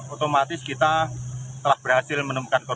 otomatis kita telah berhasil menemukan korban